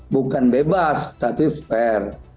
bukan bebas tapi fair